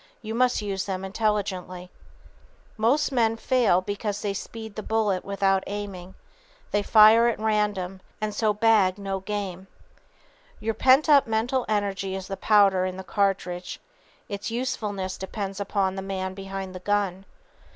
You must use them intelligently. [Sidenote: Why Most Men Fail] Most men fail because they speed the bullet without aiming. They fire at random, and so bag no game. Your pent up mental energy is the powder in the cartridge. Its usefulness depends upon the man behind the gun.